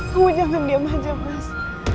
kamu jangan diam aja mas